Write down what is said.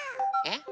えっ？